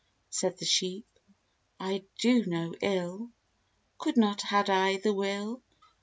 Said the sheep, "I do no ill Could not, had I the will